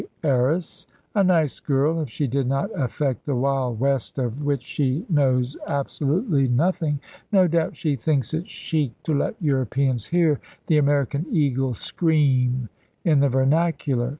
heiress a nice girl if she did not affect the Wild West of which she knows absolutely nothing. No doubt she thinks it chic to let Europeans hear the American eagle scream in the vernacular.